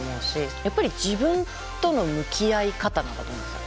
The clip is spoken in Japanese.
やっぱり自分との向き合い方なんだと思うんですよ。